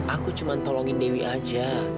aku cuma tolongin dewi aja